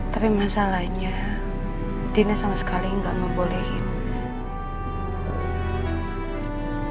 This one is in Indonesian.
tapi masalahnya dina sama sekali gak mau bolehin